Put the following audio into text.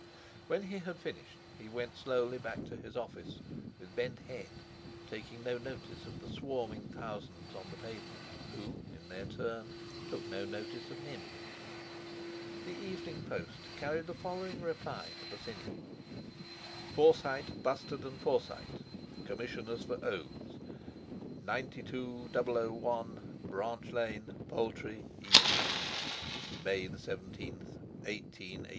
When he had finished he went slowly back to his office, with bent head, taking no notice of the swarming thousands on the pavements, who in their turn took no notice of him. The evening post carried the following reply to Bosinney: "FORSYTE, BUSTARD AND FORSYTE, "Commissioners for Oaths, "92001, BRANCH LANE, POULTRY, E.C., "May 17, 1887.